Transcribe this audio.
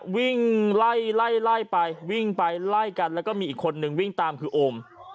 วิ่งไล่ไล่ไปวิ่งไปไล่กันแล้วก็มีอีกคนนึงวิ่งตามคือโอม